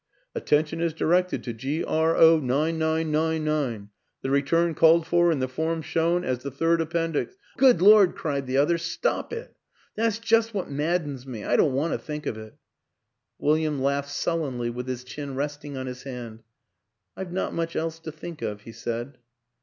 * At tention is directed to G. R. O. 9999. The Re turn called for in the form shown as the third ap pendix ''" Good Lord," cried the other, " stop it. That's just what maddens me I don't want to think of it." William laughed sullenly with his chin resting on his hand. " I've not much else to think of," he said.